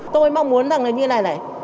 tôi mong muốn rằng là như này này